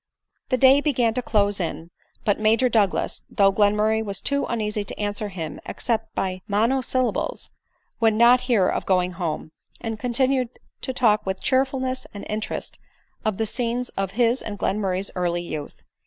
The day began to close in ; but Major Douglas, though Glenmurray was too uneasy to answer him except by monosyllables, would not hear of going home, and con tinued to talk with cheerfulness and interest of the scenes of his and Glenmurray's early youth.